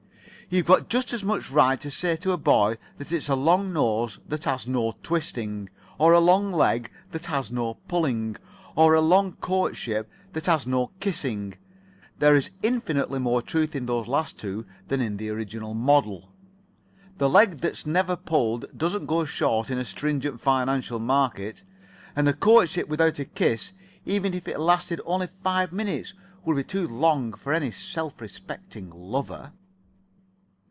You've got just as much right to say to a boy that it's a long nose that has no twisting, or a long leg that has no pulling, or a long courtship that has no kissing. There's infinitely more truth in those last two than in the original model. The leg that's never pulled doesn't go short in a stringent financial market, and a courtship without a kiss, even if it lasted only five minutes, would be too long for any self respecting lover."